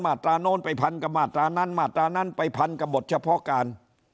ตราโน้นไปพันกับมาตรานั้นมาตรานั้นไปพันกับบทเฉพาะการ